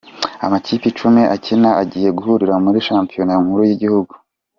Amakipe icumi akina agiye guhurira muri Shampiyona nkuru yigihugu